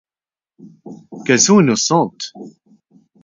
Qu'elles sont innocentes.